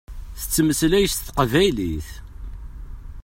Tettmeslay s teqbaylit.